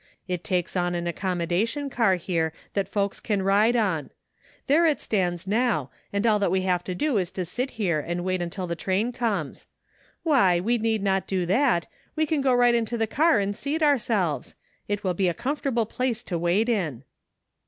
It takes on an accommodation car here that folks can ride on. There it stands now, and all that we have to do is to sit here and wait till the train comes. Why, we need not do that; we can go right into the car and seat ourselves; it will be a comfortable place to wait in."